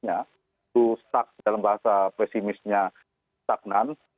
itu stuck dalam bahasa pesimisnya stagnan